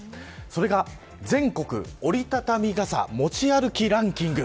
それが全国折りたたみ傘持ち歩きランキング。